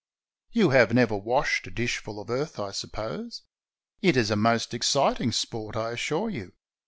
You have never washed a dishful of earth, I suppose. It is a most exciting sport, I assure you.